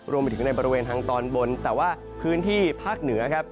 รวมไปถึงในบริเวณทางตอนบนแต่ว่าพื้นที่ภาคเหนือครับ